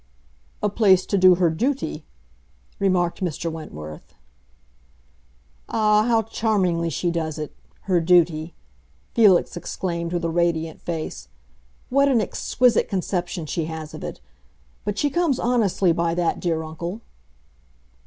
"A place to do her duty!" remarked Mr. Wentworth. "Ah, how charmingly she does it—her duty!" Felix exclaimed, with a radiant face. "What an exquisite conception she has of it! But she comes honestly by that, dear uncle."